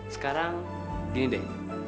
sekarang gini deh